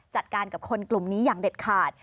จัดการกับคนกลุ่มนี้อย่างเด็ดขาด